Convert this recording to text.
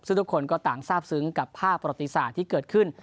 ซึ่งทุกคนก็ต่างทราบซึ้งกับภาพประวัติศาสตร์ที่เกิดขึ้น